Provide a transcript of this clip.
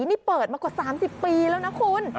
นี่เปิดมากว่า๓๐ปีแล้วนะคุณ